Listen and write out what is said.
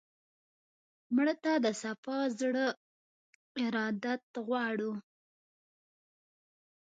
مړه ته د صفا زړه ارادت غواړو